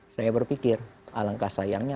saya berpikir alangkah sayangnya